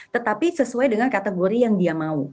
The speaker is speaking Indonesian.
tetapi sesuai dengan kategori yang dia mau